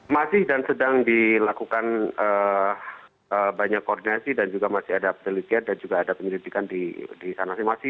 masih dan sedang dilakukan banyak koordinasi dan juga masih ada penelitian dan juga ada penyelidikan di sana